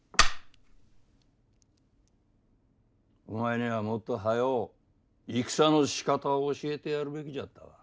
お前にはもっと早う戦のしかたを教えてやるべきじゃったわ。